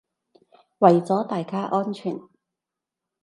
為咗大家安全